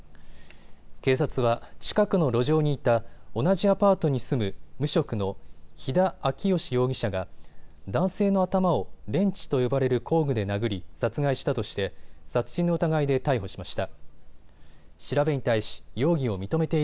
警察は近くの路上にいた同じアパートに住む無職の肥田昭吉容疑者が男性の頭をレンチと呼ばれる工具で殴り、殺害したとして殺人の疑いで逮捕しました。